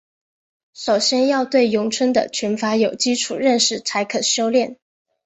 首先要对咏春的拳法有基础认识才可修练。